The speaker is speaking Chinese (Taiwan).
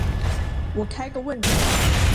我開個問題